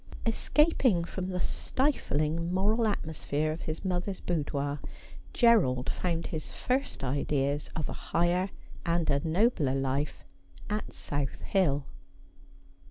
Escaping from the stifling moral atmosphere of his mother's boudoir, Gerald found his first ideas of a higher and a nobler life at South Hill.